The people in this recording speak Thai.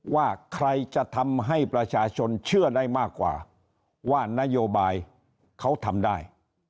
ว่าใครจะทำให้ประชาชนเชื่อได้มากกว่าว่านโยบายเขาทำได้